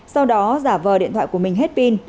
sau đó giả vờ điện thoại của mình hết pin